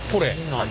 何？